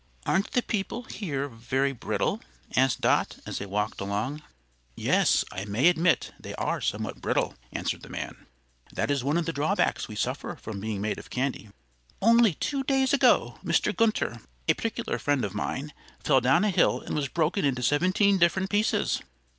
"Aren't the people here very brittle?" asked Dot, as they walked along. "Yes, I may admit they are somewhat brittle," answered the man. "That is one of the drawbacks we suffer from being made of candy. Only two days ago, Mr. Gunther, a particular friend of mine, fell down a hill and was broken into seventeen different pieces."